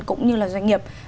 cũng như là doanh nghiệp